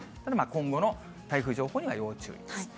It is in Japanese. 今後の台風情報には要注意です。